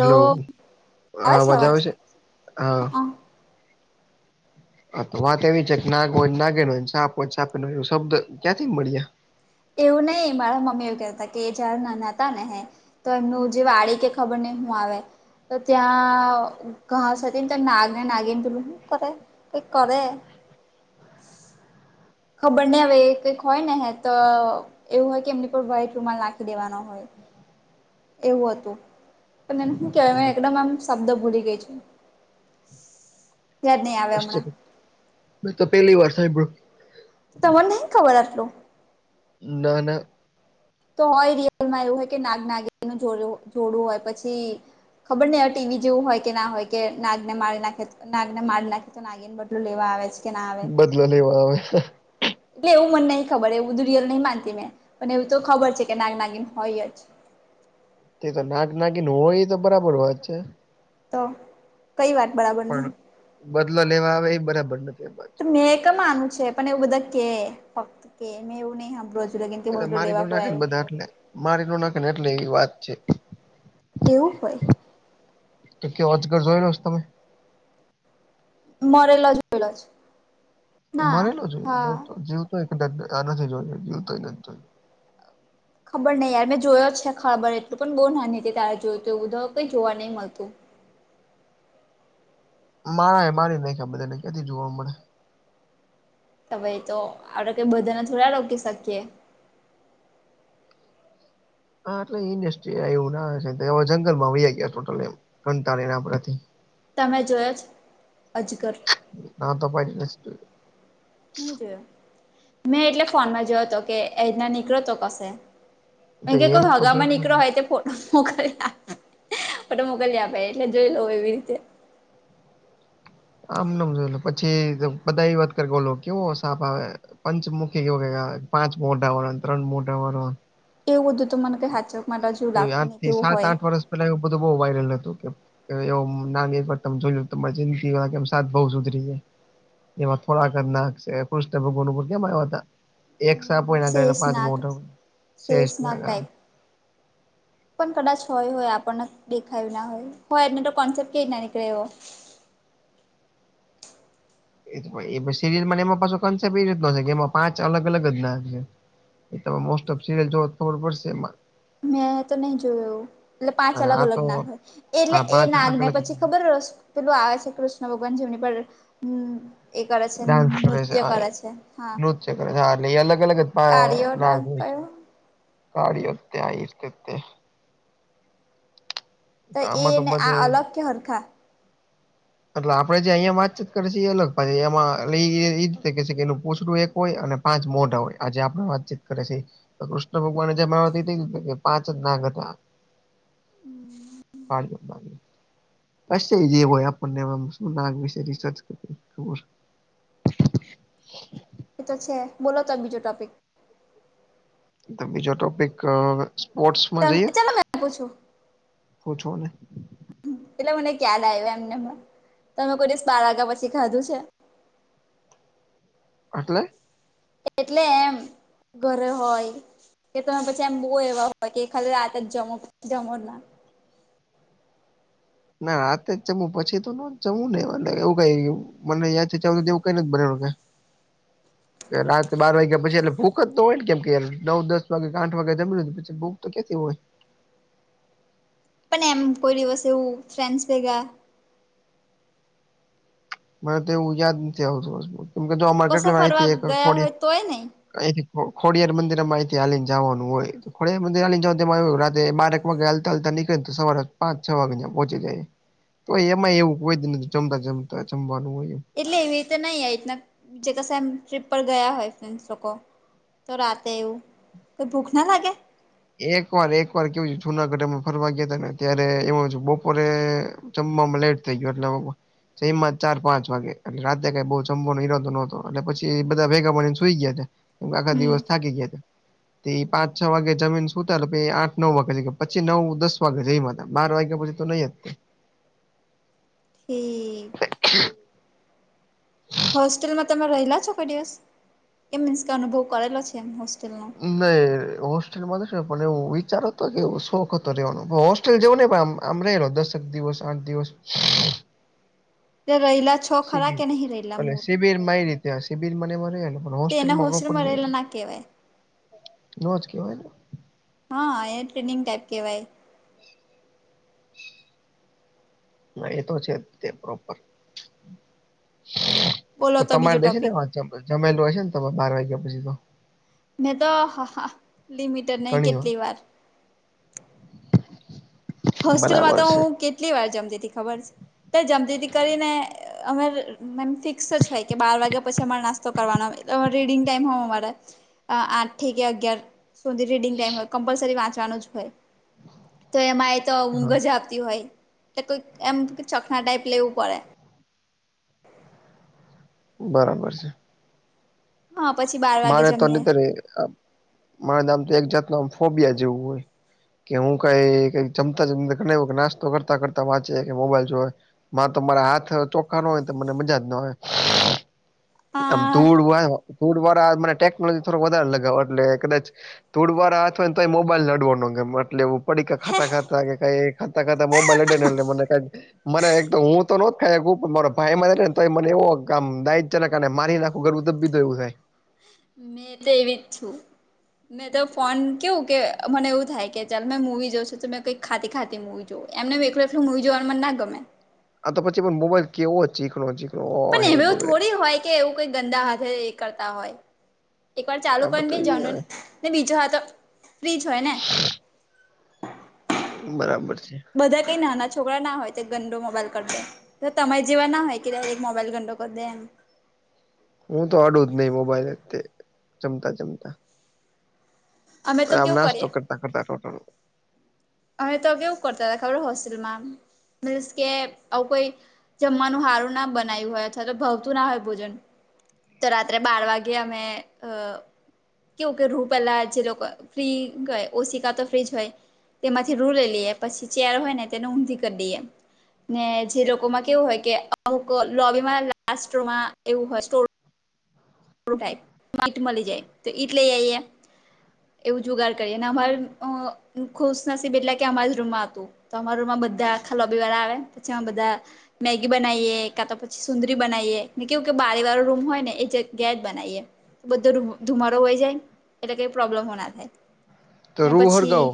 Hello હા અવાજ આવે છે હા. હા તો વાત એવી છે કે નાગ હોયને નાગેણ સાપ હોયને સાપેણ એવો શબ્દ ક્યાંથી મળ્યા. એવું નહિ મારા મમ્મી એવું કહેતા કે જ્યારે નાના હતા ને હે તો એમનું જે વાડી કે ખબર નઈ હું આવે તો ત્યાં ઘાસ હતીને તે નાગ અને નાગિન પેલું હુ કરે. કે કરે. ખબર નહી હવે એ કંઈક હોય ને હે તો એવું હોય કે એમની પર વ્હાઈટ રૂમમાં નાખી દેવાનો હોય. એવું હતું પણ એને હુ કેવાય મે એકદમ આમ શબ્દ ભૂલી ગઈ છું. યાદ નહીં આવે હમણાં મે તો પેલી વાર સાંભળ્યું. તમને નહી ખબર આટલું. ના ના. તો હોય રિયલમાં એવું હોય કે નાગ નાગિનનું જોડુ-જોડું હોય પછી. ખબર નહી હવે ટીવી જેવું હોય કે ના હોય કે નાગને મારી નાખે નાગને મારી નાખે તો નાગિન બદલું લેવા આવે છે. કે ના આવે બદલો લેવા આવે છે. એટલે એવું મને નહી ખબર એવું રીયલ નહી માનતી મેં પણ એવું તો ખબર છે કે નાગ નાગિન હોય જ. તે તો નાગ નાગિન હોય એ તો બરાબર વાત છે. તો કઈ વાત બરાબર પણ નહી. બદલો લેવા આવે એ બરાબર નથી. તો મેં ક માનું છે પણ એવું બધા કે ફક્ત કે મેં એવું નહી સાં એટલે મારી ન નાખી ને બધા એટલે મારી ન નાખીને એટલે એવી વાત છે. એવું હોય. તો કે અજગર જોઈ લો છે તમે મરેલો જોઈલો છે. મરેલો જોઈ તો જીવતો જીવતો ય કદાચ નથી જોય જીવ તો નથી જો ખબર નહીં યાર મેં જોયો જ છે ખબર એટલું પણ બહુ નાની હતી તારે જોયું તું એ બધ કઈ જોવા નહીં મલતું મા એ મારી નાખા બધાને કેથી જોવા મળે. તમે તો આપડે તે બધાને થોડા રોકી શકીએ. હા એટલે ઇન્ડસ્ટ્રી આયવું ના જંગલમાં વયા ગયા ટોટલ એમ કંતાળીને આપણાથી તમે જોયો છે અજગર. ના તો પાડી નથજોયો. નહી જોયો મેં એટલે ફોનમાં જોયો તો કે એતના નીકળ્યો હતો કશે. એ તો કે એમ કોઈ તો જો હગામાં નીકળ્યો હોય તે પોલ. [unintelligible] મોકલી આપે એટલે જોઈ લવ એવી રીતે. આમનમ જોયલો પછી બધા એ વાત કરે ઓલો કેવો સાપ આવે. પંચમુખી કેવું કઇ આવે પાંચ મોઢા વાળો ત્રણ મોઢા વારો ને. એવું બધું તો મને કઈ હાચક માટે જોવું એ લાગતું આઠ ની થી કેવું સાત હોય. આઠ વર્ષ પેલા એવું બધું બઉ વાયરલ હતું કે એવો નાગ એક વાર તમે જોયો તમારી જિંદગી દિવા કે સાત બહુ સુધરી જાય. એમાં થોડાક કન નાખ છે કૃષ્ણ ભગવાન ઉપર કેમ આવ્યા તા. એક સાપ હોય ના તેના પાંચ શેષનાગ મોઢા સેસ શેષનાગ નાગ હા. ટાઈપ પણ કદાચ હોય હોય આપણને દેખાયું ના હોય હોય એને તો કોન્સેપ્ટ કેવી રીતના નીકળે એવો. એજ હોય એ પછી સિરીલને એમાં પાછ કન્સેપ્ટ એ રીત નો હોય કે એમાં પાચ અલગ અલગ અજ ના રહે. એ તો મોસ્ટ ઓફ સિરયલ જો ખબર પડશે એમાં. મેં તો નહી જોયું એવું એટલે પાંચ અને અલગ આ તો અલગ નાગ હોય. એટલે આ એ પાંચ નાગ અલગ ને અલગ પછી ખબરસ પેલું આવે છે કૃષ્ણ ભગવાન જેમની પર હમ્મ એ કરે છે નૃત્ય કરે છે. હા છે ને આ નહીં એટલે એ અલગ અલગ અજ મા કાર્યો નાગ ડાગ હોય છે. કયો કાડીયો ત્યાં આઈસ તત તે. તો આમાં એન આ બધે અલગ કે હરખા? એટલે આપડે જે અહિયા વાતચીત કરે છે એ અલગ પાહી એમાં ઈ એરીતના કે એનું પોછડું એક હોય અને પાંચ મોઢા હોય આજે આપણે વાતચીત કરે છે એ. તો કૃષ્ણ ભગવાન જમા આવતી તી પાંચ જ નાગ હતા. હા જે પાણી બસ થઈ જય બોય હા. પણ ને આમ શું નાગ વિશે રિસર્ચ કરી ખબર. એ તો છે બોલો તો બીજો ટોપિક. તો બીજો ટોપિક અહ ત ચાલો મે આપું છું. ઓ છો ને. એેટલે મને યાદ આવ્યો એમ તોમે કોઈ દિવસ બાર વાગ્યા પછી ખાધું છે? હટલે? એટલે એમ ઘરે હોય. કે તમે પછી એમ બહુ એવા હોય કે ખાલી રાત જમો જમો ના. ના રાતે જમું પછી તો ન જમવું ને મતલબ એવું કઈ મને યાદ છે ચાવ તો એવું કઈ નથ બનાવા વગર. કે રાત્ર બાર વાગ્યા પછી એટલે ભૂખ જ તો હોય ને કેમ કેય નવ દસ વાગ્યા કે આઠ વાગે જમી પછી ભૂખ તો કેતી હોય. પણ એમ કોઈ દિવસ એવું ફ્રેન્ડસ ભેગા મને તો એવું યાદ નથી આવતું કેમ કે જો અરે કશે ફરવા કેટલી ગયા કોડી હોય તોય નહી આઇથી ખો-ખોડિયાર મંદિરમાં અઈથી હાલીને જાવાનું હોય. ખોડિયાર મંદિર હાલી ને જાઓ રાતે બરેક વાગે હલતા અલતા નીળે ને તો સવારે પાંચ છ વાગે્યા પહોચી જાય. તો એમાં એવું કોઈ જ નથી ચમતા ચમતા જમવાનું હોય એમ. એટલે એવી રીતે નહીંના જે ક સા ટ્રીપ પર ગયા હોય ફ્રેન્ડ્સ લોકો. તો રાતે એવું કે ભૂખ ના લાગે. એક વાર એક વાર કેવું છે જુનાગઢ એમાં ફરવા ગયા હતા ને ત્યારે એમાંજ બપોરે જમવામાં લેટ થઈ ગયો એટલો ઓ છે એમાં ચાર પાંચ વાગે એટલે રાતે કઈ બહુ જંભો ઈરાદો નોતો એટલે પછી એ બધા ભેગા પા ને સુઈ ગયા છે. આખા હમ દિવસ થકી ગયા છે તે પાંચ છ વાગે જમી ને સુતા પેઇ આઠ નવ વાગે કે પછી નવ વાગે જ હતા બાર વાગ્યા પછી તો નહી જ થી [inaudible] હોસ્ટેલમાં તમે રહેલા છો કોઈ દિવસ એ મીન્સ કે અનુભવ કરેલો છે એમ હોસ્ટેલનો. ના હોસ્ટેલ મા પણ એવું વિચાર હતો કે એવું શોખ હતો રેવાનો બો હોસ ટલ જવું ને આમ આમ રલો દસક દિવસ આઠ દિવસ તે રૈલા જ શિબિર એટલે શિબિર મારી રીતે શિબિર મને મને મારે એલો ઓલો તે એના હોસ્ટેલમાં પ્રોપર નહી રહેલા ના કહેવાય નોજ કેવાય ને હા એ ટ્રેનિંગ ટાઈપ કેવાય. ના એતો છે. તે પ્રોપર બોલો તો તમારે બીજો દે છે. ને ટોપિક વા જમેલું હોય છે. ને તમે બાર વાગ્યા પછી તો. મે તો લિમિટર નહી કેટલી વાર હોસ્ટેલમાં બરાબર તો હું કેટલી વાર જમતી હતી ખબર તો જમતી ત કરીને. અ મે ફિક્સ જ હોય કે બાર વાગ્યા પછી, અમારે નાસ્તો કરવાનોલે રીડિંગ ટાઈમ હોવ અમારે. આઠ થી કે અગિયાર સુધી રીડિંગ ટાઈમ હોય. કમ્પલસરી વાંચવાનું જ હોય. તો એમાં એ તો છે ઊંઘ હા જ આપતી હોય. એલે કોઈ એમ ચકના ટાઈપ લેવું પડે. બરાબર છે. હા. પછી બાર વાગે મારે તો જમીએ નનીતરે મારે નામ તો એક જાત ન આમ ફોબિયા જેવું હોય. કે હું કઈ ક જમતા જમતા ઘ એ નાસ્તો કરતા કરતાં વાંચે કે મોબાઈલ જોવા માં તો મારા હાથ ચોખ્ખા ન હોય. તો મને મજા જ ના આવે. આમ હા તુડ વા તુડ વાળા મને ટેકનોલોજી થોડ વધારે લગાવ એટલે કદાચ થોડ વાર હાથ હોયને તો લડવાનો પડી ખાતા ખાતા કે કઈ ખાતા ખાતા મોબાઈલ મને મને એક હું તો મારો ભાઈ તો મને એવો આમ દાયજક અને મારી નાખું ધબીધું એવું થાય. મેં તે એવી છું. મેં તો ફોન કેવું કે મને એવું થાય કે ચાલ મેં મૂવી જોશું તો મે કઈક ખાતી ખાતી મુૂવી જોવુ. એમને એકું એ મુવી જોવાનું મન ના ગમે. આ તો પછી પણ મોબાઈલ કેવો જ એમવ થોડી હોય કે કઈ ગંદા હાથે કરતા હોય. એક વાર ચાલુ આ કરી ને બધો બે ઈ હવે જવાનુંને બીજો હા તો ફ્રીજ હોય ને બરાબર છે. બધા કઈ નાના છોકરા ના હોય. તે ગંડો મોબાઈલ કર દે તો તમારે જેવા ના હોય કે એક મોબાઈલ ગંડો કરી દે એમ હું તો અડુ જ નહી. મોબાઈલ તે જમતા જમતા અમે તો આમ કેવું નાસ્તો કરીએ કરતા કરતા ટોટલમાં અમે તો કેવું કરતા હતા. ખબરે હોસ્ટેલમાં મિનસ કે આવું કોઈ જમવાનું હારું ના બનાયું હોય. અથવા તો ભાવતું ના હોય ભોજન તો રાત્રે બાર વાગ્યે અમે અ કેવું કે રૂ પહેલા જે લોકો ફ્રી ઓસી કા તો ફ્રીજ હોય. તેમાંથી રૂ લઈ લઈએ. પછી ચેર હોય ને તેને ઊંધી કરી દએ ને જે લોકોમાં કેવું હોય કે અમુક લોબીમાં લાસટમાં એવું હોય સટોરરૂમ ઈટ મળી જાય તો ઈટ લઈ આઈએ. એવું જુગાડ કરીએ અને અમારે અ ખુશનસીબ એટલે કે અમારા જ રૂમમાં હતું. તો અમાર રમમાં બધા આખા લોબિવાર આવે પછી અમે બધા મેગી બનાવીએ કા તો પછી સુંદરી બનાવીએને કેવું કે બારે વાળો રૂમ હોય ને એ જે જગ્યાએ બનાવીએ બધો ધુમાડો વહી જાય એટલે કઈ પ્રોબ્લેમો ના થાય. તો અને રૂ પછી હરગાવો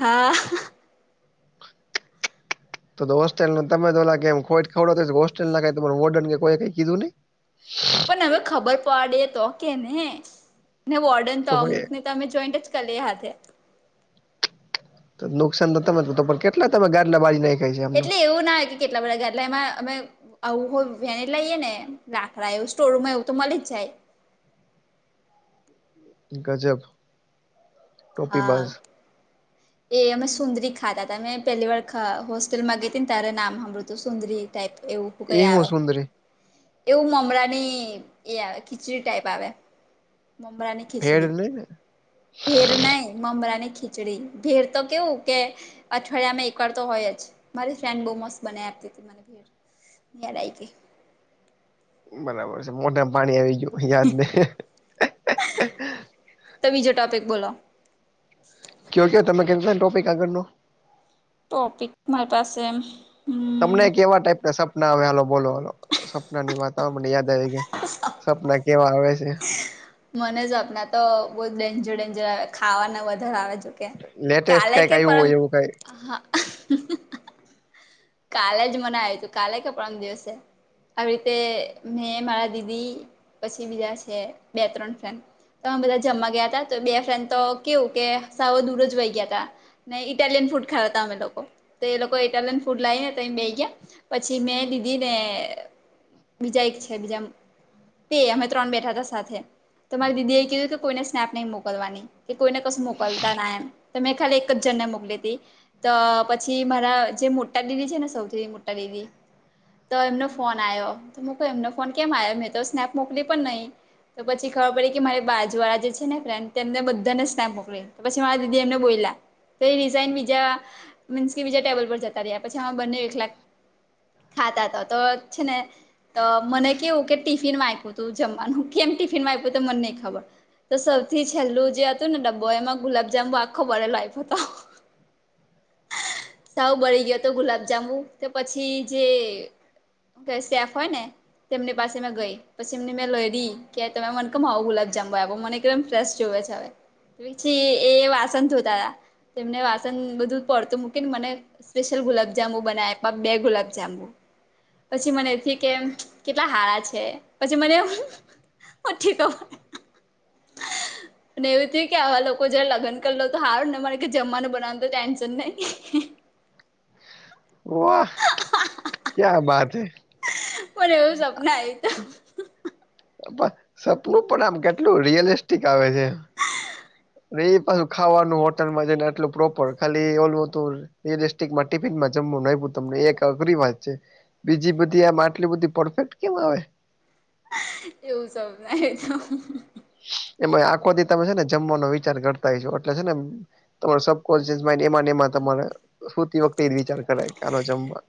હા તો હોસ્ટેલ [unintelligible] પણ હવે ખબર પડી તો કે ને ને વોર્ડન તો પણ એ અમુકને તમે જોઈન્ટ જ કર લે છે. હાથે નુકસાન તો તમે તો પણ કેટલા તમે ગાડલા બાળીના એટલે એવું ના હોય કે કેટલા બધા ગાદલા એમાં અમે હો વેને લાઈએ ને લાકડા એવું સ્ટોર રૂમમાં એવું તો મળી જ જાય. ગજબ, ટોપી હા, બાજ એ અમે સુંદરી ખાતા તા મે પહેલી વાર ખા હોસ્ટેલમાં ગઈ હતી ને તારે નામ હાભરું હતું સુંદરી ટાઈપ એવું, ક એ હું આવે સુંદરી એવું મમરાની એ આવે ખીચડી ટાઈપ આવે. મમરાની ફેર ખીચડી ન ઈ ને, ભેર નહી મમરા ની ખીચડી ભેર તો કેવું કે, અઠવાડિયામાં એકવાર તો હોય જ મારી ફ્રેન્ડ બહુ મસ્ત બનાવી આપતી હતી મને ભેડ, યાદ આઈ ગયુ‌. બરાબર છે મોઢામાં પાણી આવી ગયું યાદ નહી. તમે બીજ ટોપિક બોલો. કયો કે તમે કેમ ટોપિક આગળ નો, ટોપિક મારી પાસે, હમ તમને કેવા ટાઈપ સપના આવે હાલો બોલો સપના ની વાતને યાદ આવી. સપના કેવા આવે છે. મને જ સપના તો બહુ ડેન્જર ડેન્જર આવે ખાવાના વધારે આવે જો, લેટેસ્ટ કાલે કઈક કે આવ્યું પર હોય એવું કઈ હા કાલે જ મને આવ્યું તું કાલે કે પરમ દિવસે. આવી રીતે મેં મારા દીદી પછી બીજા છે બે ત્રણ ફ્રેન્ડ, મે બધા જમવા ગયા હતા તો બે ફ્રેન્ડ તો કેવું કે સાવ દૂર જ વહી ગયા તા, ને ઈટાલિયન ફૂડ ખાવા તા અમે લોકો તો એ લોકો ઇટાલિયન ફૂડ લાઈને ત બે ગયા પછી મેં દીદી ને, બીજા એક છે બીજા બે અમે ત્રણ બેઠા હતા સાથે, તો મારી દીદી એ કીધું કે કોઈને સ્નેપ નહીં મોકલવાની. કે કોઈને કશું મોકલતા ના એમ તો મેં ખાલી એક જને મોકલી હતી, તો પછી મારા જે મોટા દીદી છે ને સૌથી મોટા દીદી, તો એમનો ફોન આવ્યો તો મુ કવુ એમનો ફોન કેમ આવ્યો મેં તો સ્નેપ મોકલી પણ નહી, તો પછી ખબર પડી કે મારી બાજુવાળા જે છે ને ફ્રેન્ડને બધાને જ નાને મોકલી તો પછી મારા દીદી એમને બોલ્યા, તોએ રીસાઈ બીજા મીન્સ કે બીજા ટેબલ જતા રહ્યા, પછી આમા બંને એકલા ખાતા હતા તો છે, ને, તો મને કેવું કે ટિફિનમાં આપ્યું તું જમવાનું કેમ ટિફિનમાં આપ્યું તે મને નહીં ખબર, તો સૌથી છેલ્લું જે હતુને ડબ્બો એમાં ગુલાબજાંબુ આખો બોલ્યો આપ્યો હતો, હ [inaudible] સાવ બળી ગયો હતો ગુલાબજાંબુ તો પછી જે, કે સ્ટેફ હોય ને તેમની પાસે મે ગઈ, પછી એમને મેં લઈ રહી કે મન કેમ આવો ગુલાબ જામુ આપ્યો મને એકદમ ફ્રેશ જોવે છે, હવે, પછી એ વાસન ધો થતા હતા, તેમને વાસણ બધું પડતું મૂકીને મને. સ્પેશિલ ગુલાબજાંબુના, બે ગુલાબજાંબુ પછી મને એથી કે કેટલા હારા છે, પછી મને, [unintelligible] હ [inaudible] અને એવું થયું કે આવા લોકો જયારે લગન લેતો હારું ને મારે કે જમવાનું બનાવાનું તો ટેન્શન નહીં. હો [inaudible] ક્યા બાત હૈ, પણ એવું સપનું આવ્યું તું, પણ સપનું પણ આમ કેટલું રિયલિસ્ટિક આવે છે, હવે ઈ પાછું ખાવાનું હોટલમાં જઈ ને આટલું પ્રોપર, ખાલી ઓલું તુલ રિયલ [unintelligible] માં ટિફિનમાં જમવાનું આઈપું તમને એક અઘરી વાત છે. બીજી બધી આમ આટલી બધી પરફેક્ટ કેમ આવે? એવું [unintelligible] એમાંઈ આખો દી તમે છે ને જમવાનો વિચાર કરતા હઈશો. એટલે છે ને તમાર [unintelligible] [unintelligible] એમાં ને એમાં તમારે સુતી વખતે એ જ વિચાર કરાય, કે હાલો જમવા.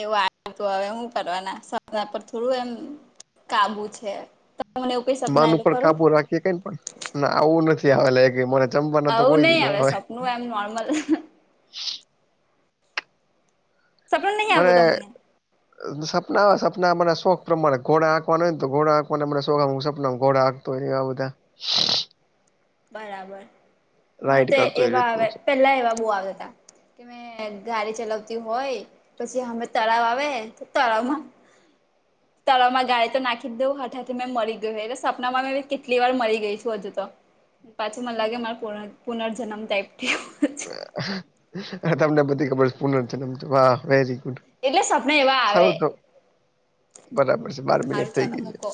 એવું આવતું, હવે હું કરવાના? સપના પર થોડું એમ કાબુ છે. તમને એવું કંઈ સપના મન આયેલું ઉપર ખરું? [unintelligible] ના, આવું નથી આવેલા એકેય મને. જમવા ના તો આવું કોઈ દી નહી નો આવે. સપનું એમ નોર્મલ. સપનું નહી આવતું તમને મને અહ સપનામાં, સપનામાં શોખ પ્રમાણે. ઘોડા હાંકવાનું હોયને તો ઘોડા હાંકવાના મને શોખ હે. હું સપનામાં ઘોડાં હાંક તો હોય એવાં બધાં. બરાબર. મને રાઈડ તો કરતો એ એવા આવે, રીતનું પહેલા એવા બહુ આવતા. કે મેં ગાડી ચલાવતી હોય પછી હામે તળાવ આવે, તો તળાવમાં [inaudible] તળાવમાં જાય તો નાખી જ દેવું, હાથેથી મેં મળી ગયું હોય. એટલે સપનામાં મેં કેટલી વાર મરી ગઈ છું હજુ તો. પાછું મને લાગે મારા પુનર પુનર્જન્મ ટાઈપ થયું. તમને બધી ખબર સ પુનર્જન્મ થયું, વાહ! Very good. એટલે સપના એવા આવે સારું તો, બરાબર છે. બાર મિનિટ હારું થઈ ચાલો ગઈ છે. [inaudible] મૂકો.